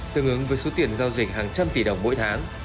tương ứng với số tiền giao dịch hàng trăm tỷ đồng mỗi tháng